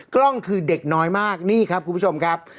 กล้องคือเด็กน้อยมากนี่ครับคุณผู้ชมครับ